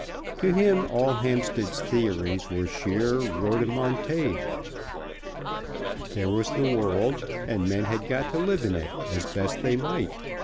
To him all Hampstead's theories were sheer rhodomontade. There was the world, and men had got to live in it as best they might.